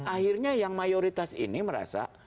akhirnya yang mayoritas ini merasa